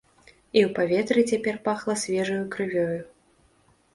І ў паветры цяпер пахла свежаю крывёю.